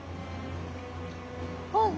あっ！